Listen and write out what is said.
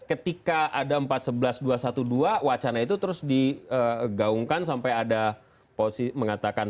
ketika ada empat sebelas dua ratus dua belas wacana itu terus digaungkan sampai ada posisi mengatakan